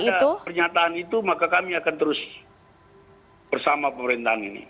kalau ada pernyataan itu maka kami akan terus bersama pemerintahan ini